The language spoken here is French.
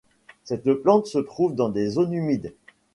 Cette plante se trouve dans des zones humides.